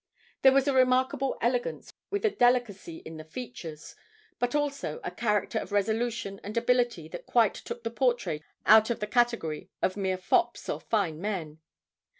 There was a remarkable elegance and a delicacy in the features, but also a character of resolution and ability that quite took the portrait out of the category of mere fops or fine men.